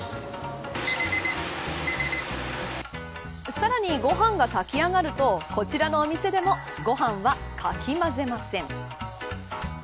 さらにご飯が炊き上がるとこちらのお店でもご飯はかき混ぜません。